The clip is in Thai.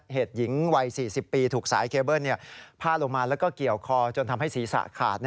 เหตุหญิงวัย๔๐ปีถูกสายเคเบิ้ลพาดลงมาแล้วก็เกี่ยวคอจนทำให้ศีรษะขาด